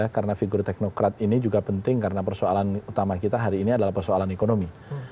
karena figur teknokrat ini juga penting karena persoalan utama kita hari ini adalah persoalan ekonomi